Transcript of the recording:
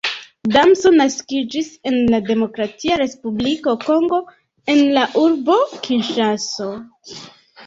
Damso naskiĝis en la Demokratia Respubliko Kongo en la urbo Kinŝaso.